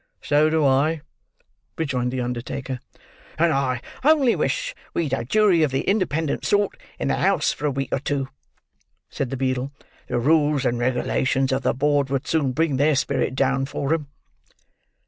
"So do I," rejoined the undertaker. "And I only wish we'd a jury of the independent sort, in the house for a week or two," said the beadle; "the rules and regulations of the board would soon bring their spirit down for 'em."